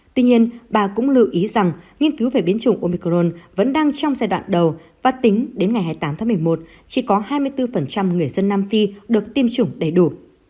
tuy nhiên bà cũng lưu ý rằng nghiên cứu về biến chủng omicron vẫn đang trong giai đoạn đầu và tính đến ngày hai mươi tám tháng một mươi một chỉ có hai mươi bốn người dân nam phi được tiêm chủng đầy đủ